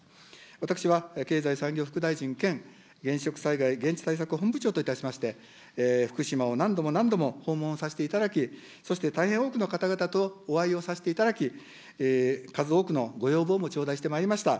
私は経済産業副大臣兼原子力災害現地対策本部長といたしまして、福島を何度も何度も訪問させていただき、そして大変多くの方々とお会いをさせていただき、数多くのご要望も頂戴してまいりました。